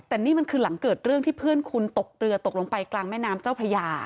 แต่นี่มันคือหลังเกิดเรื่องที่เพื่อนคุณตกเรือตกลงไปกลางแม่น้ำเจ้าพระยา